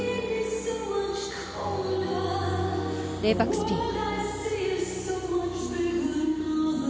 レイバックスピン。